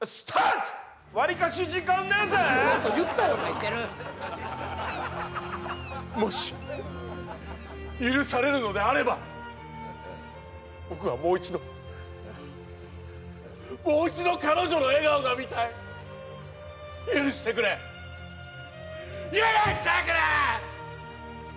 わりかし時間ねえぜスタート言ったよなもし許されるのであれば僕はもう一度もう一度彼女の笑顔が見たい許してくれ許してくれ！